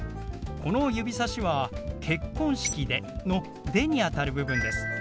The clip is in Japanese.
この指さしは「結婚式で」の「で」にあたる部分です。